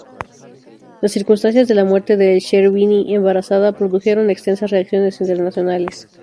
Las circunstancias de la muerte de El-Sherbini, embarazada, produjeron extensas reacciones internacionales.